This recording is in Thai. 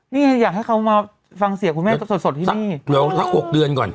นี่ไงอยากให้เขามาฟังเสียคุณแม่สดสดที่นี่เดี๋ยวสัก๖เดือนก่อน